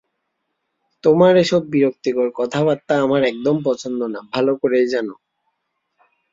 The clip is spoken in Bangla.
তোমার এসব বিরক্তিকর কথাবার্তা আমার একদম পছন্দ না, ভালো করেই জানো।